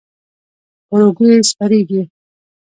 پر اوږو یې سپرېږي.